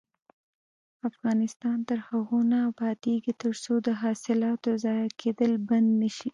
افغانستان تر هغو نه ابادیږي، ترڅو د حاصلاتو ضایع کیدل بند نشي.